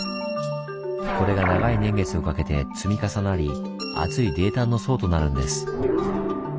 これが長い年月をかけて積み重なり厚い泥炭の層となるんです。